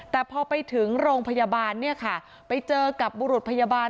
แต่พอไปถึงโรงพยาบาลไปเจอกับบุรุษพยาบาล